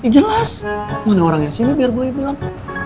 jelas mana orangnya sih ini biar gue bilang